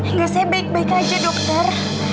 enggak sih baik baik aja dokter